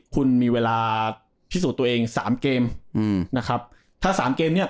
คุณมีเวลาพิสูจน์ตัวเองสามเกมอืมนะครับถ้าสามเกมเนี้ย